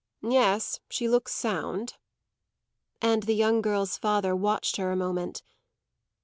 "Yes, she looks sound." And the young girl's father watched her a moment.